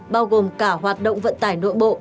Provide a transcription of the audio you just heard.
bao gồm cả hoạt động vận tải nội bộ